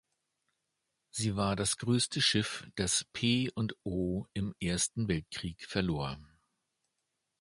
Sie war das größte Schiff, das P&O im Ersten Weltkrieg verlor.